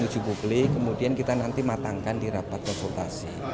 uji publik kemudian kita nanti matangkan di rapat konsultasi